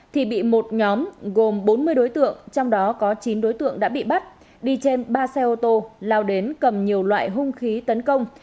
thì bị một nhóm gồm bốn mươi đối tượng trong đó có chín đối tượng đã bị bắt đi trên ba xe ô tô lao đến cầm nhiều loại hung khí tấn công